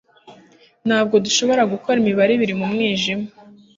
ntabwo dushobora gukora imibare ibiri mu mwijima